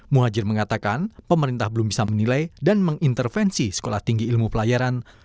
muhajir mengatakan pemerintah belum bisa menilai dan mengintervensi sekolah tinggi ilmu pelayaran